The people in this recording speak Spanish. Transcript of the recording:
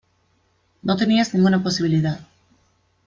No tenías ninguna posibilidad!".